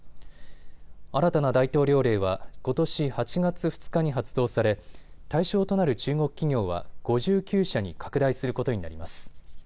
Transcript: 新たな大統領令はことし８月２日に発動され対象となる中国企業は５９社に拡大することになります。